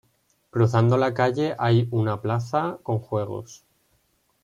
Cruzando la calle hay una plaza con juegos.